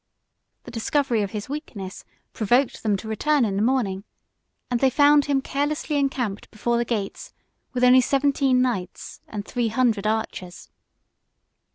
The discovery of his weakness, provoked them to return in the morning; and they found him carelessly encamped before the gates with only seventeen knights and three hundred archers.